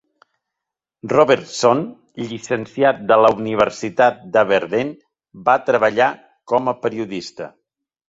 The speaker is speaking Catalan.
Robertson, llicenciat de la Universitat d'Aberdeen, va treballar com a periodista.